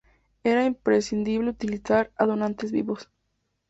Era imprescindible utilizar a donantes vivos.